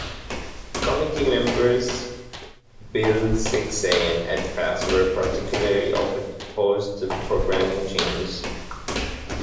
Committee members Bill Siksay and Ed Fast were particularly opposed to the programming changes.